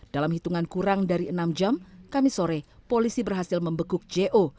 dalam hitungan kurang dari enam jam kami sore polisi berhasil membekuk jo